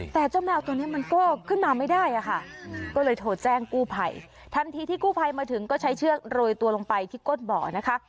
แต่เจ้าแมวตัวนี้มันก็ขึ้นมาไม่ได้อะค่ะก็เลยโทรแจ้งกู้ภัยทันทีที่กู้ภัยมาถึงก็ใช้เชือกโรยตัวลงไปที่ก้นบ่อนะคะ